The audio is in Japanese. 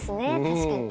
確かに。